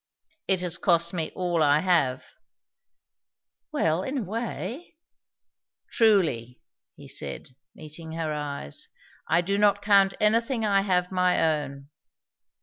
"It has cost me all I have." "Well, in a way " "Truly," he said, meeting her eyes. "I do not count anything I have my own."